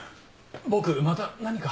僕また何か？